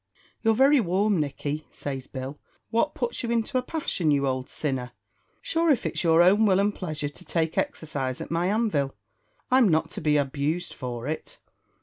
"You're very warm, Nicky," says Bill; "what puts you into a passion, you old sinner? Sure if it's your own will and pleasure to take exercise at my anvil, I'm not to be abused for it.